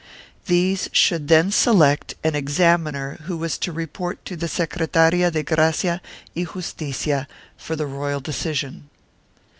These should then select an examiner who was to report to the Secretaria de Gracia y Justicia for the royal decision.